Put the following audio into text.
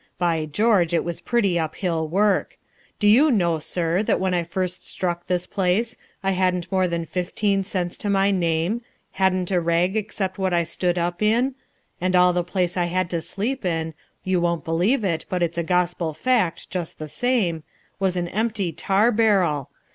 By George, it was pretty uphill work! Do you know, sir, when I first struck this place, I hadn't more than fifteen cents to my name, hadn't a rag except what I stood up in, and all the place I had to sleep in you won't believe it, but it's a gospel fact just the same was an empty tar barrel.